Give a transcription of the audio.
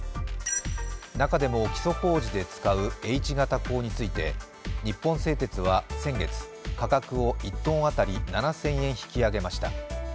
中でも基礎工事で使うＨ形鋼について日本製鉄は先月、価格を１ｔ当たり７０００円引き上げました。